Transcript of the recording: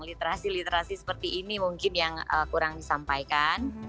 literasi literasi seperti ini mungkin yang kurang disampaikan